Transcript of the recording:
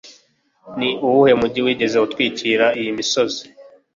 ni uwuhe mujyi wigeze utwikira iyi misozi